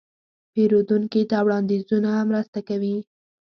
پیرودونکي ته وړاندیزونه مرسته کوي.